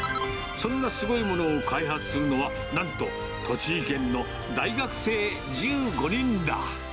そんなすごいものを開発するのは、なんと栃木県の大学生１５人だ。